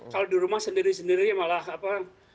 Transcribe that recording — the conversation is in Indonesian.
kalau di rumah sendiri sendiri malah apa